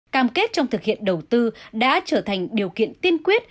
cam kết trong thực hiện đầu tư đã trở thành điều kiện tiên quyết